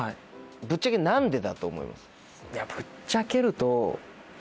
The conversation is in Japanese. ぶっちゃけ何でだと思います？